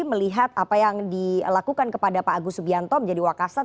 melihat apa yang dilakukan kepada pak agus subianto menjadi wakasa